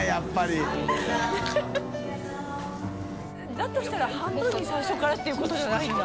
井森）だとしたら半分に最初からていうことじゃないんだ。